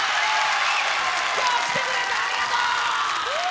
今日来てくれてありがとう！